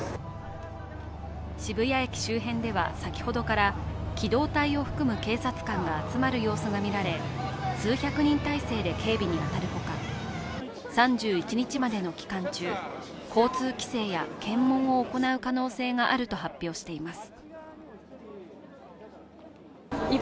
渋谷駅周辺では先ほどから機動隊を含む警察官が集まる様子が見られ、数百人態勢で警備に当たるほか、３１日までの期間中、交通規制や検問を行う可能性があると発表しています。